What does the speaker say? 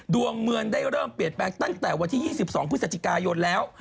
ดวงเมืองได้เริ่มเปลี่ยนแปลงตั้งแต่วันที่๒๒พฤศจิกายนแล้ว